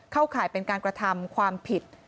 ข่ายเป็นการกระทำความผิด